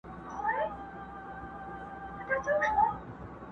دا شپه پر تېرېدو ده څوک به ځي څوک به راځي،،!